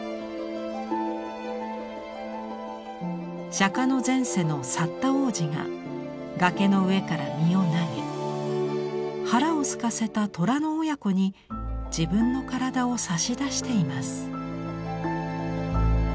釈の前世のサッタ王子が崖の上から身を投げ腹をすかせた虎の親子に自分の体を差し出しています。